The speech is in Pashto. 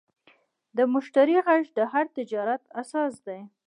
د مشتری غږ د هر تجارت اساس دی.